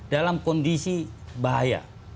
dalam kondisi bahaya